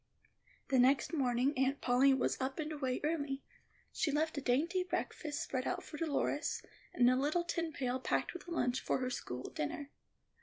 The next morning Aunt Polly was up and away early. She left a dainty breakfast spread out for Dolores, and a little tin pail packed with a lunch for her school dinner.